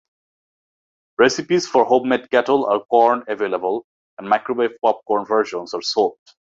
Recipes for homemade kettle corn are available, and microwave popcorn versions are sold.